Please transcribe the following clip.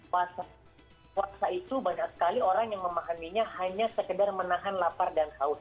puasa itu banyak sekali orang yang memahaminya hanya sekedar menahan lapar dan haus